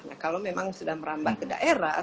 nah kalau memang sudah merambah ke daerah